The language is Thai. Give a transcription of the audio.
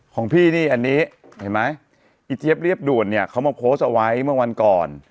ของพี่นี่อันนี้เห็นไหมอีเจี๊ยบเรียบด่วนเนี่ยเขามาโพสต์เอาไว้เมื่อวันก่อน